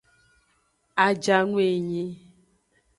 Ajanu enyi.